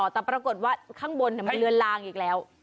แต่ปรากฏว่าข้างบนมันเลือนลางอีกแล้ว